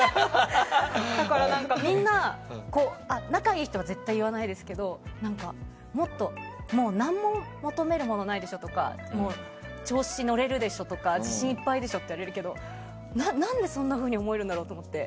みんな仲いい人は絶対に言わないですけどもう何も求めることないでしょ？とか調子に乗れるでしょとか自信いっぱいでしょとか言われるけどなんで、そんなふうに思えるんだろうと思って。